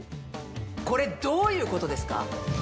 これ、どういうことですか？